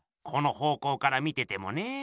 この方向から見ててもね。